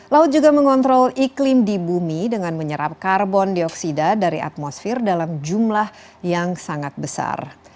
laut juga mengontrol iklim di bumi dengan menyerap karbon dioksida dari atmosfer dalam jumlah yang sangat besar